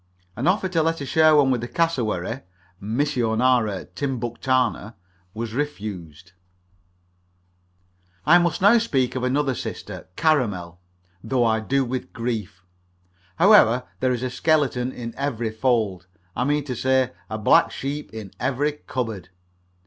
An offer to let her share one with the cassowary missionara timbuctana was refused. I must now speak of another sister, Caramel, though I do so with grief. However, there is a skeleton in every fold I mean to say, a black sheep in every cupboard.